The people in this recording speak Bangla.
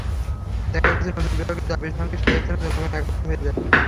দেখা গেছে, নতুন বিভাগের দাবির সঙ্গে সেই স্থানের জনগণ একাত্ম হয়ে যায়।